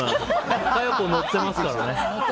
佳代子、乗ってますからね。